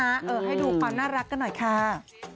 ให้ดูความน่ารักกันหน่อยค่ะ